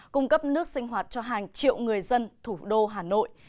cung cấp nước sinh hoạt cho hàng triệu người dân thủ đô hà nội